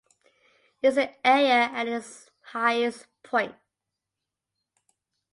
It is in area and at its highest point.